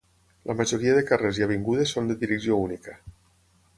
La majoria de carrers i avingudes són de direcció única.